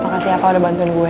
makasih ya apa udah bantuin gue